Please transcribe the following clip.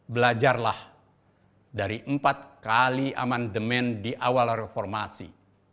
belajarlah dari empat kali aman demen di awal reformasi